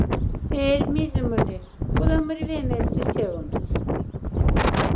Эрь мезе мле, кодама рьвя мяльце сявомс?